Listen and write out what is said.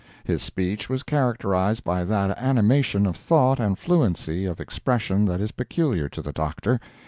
His speech was characterized by that animation of thought and fluency of expression that is peculiar to the Doctor.